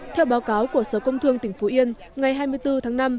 theo báo cáo của sở công thương tỉnh phú yên ngày hai mươi bốn tháng năm